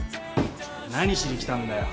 何しに来たんだよ？